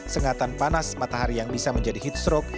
sengatan panas matahari yang bisa menjadi heat stroke